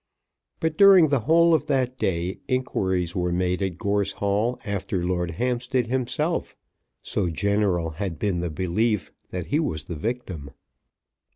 But during the whole of that day inquiries were made at Gorse Hall after Lord Hampstead himself, so general had been the belief that he was the victim.